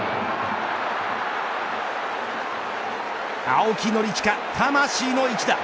青木宣親、魂の一打。